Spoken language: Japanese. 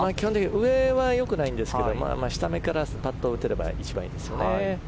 上は良くないんですが下めからパットを打てれば一番いいですよね。